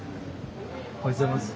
おはようございます。